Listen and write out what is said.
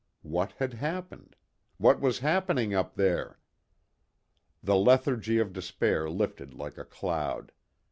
What had happened? What was happening up there? The lethargy of despair lifted like a cloud.